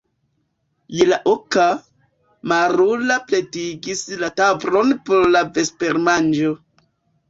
Je la oka, Marula pretigis la tablon por la vespermanĝo.